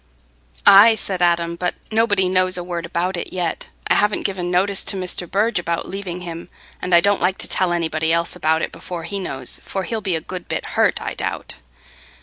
"Aye," said Adam, "but nobody knows a word about it yet. I haven't given notice to Mr. Burge about leaving him, and I don't like to tell anybody else about it before he knows, for he'll be a good bit hurt, I doubt.